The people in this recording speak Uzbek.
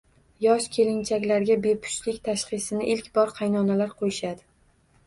Yosh kelinchaklarga bepushtlik “tashxis”ini ilk bor qaynonalar qo‘yishadi.